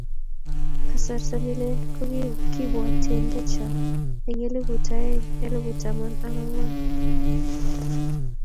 Kasarta nelel kokibwatien lecher eng elput aeng elput taman ak angwan.